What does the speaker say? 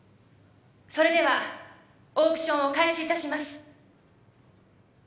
それではオークションを開始いたします。